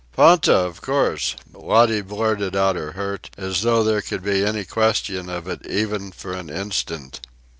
"Ponta, of course," Lottie blurted out her hurt, as though there could be any question of it even for an instant.